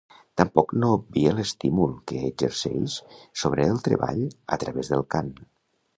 Tampoc no obvie l’estímul que exerceix sobre el treball a través del cant.